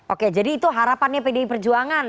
oke jadi itu harapannya pdi perjuangan